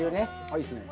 いいですね。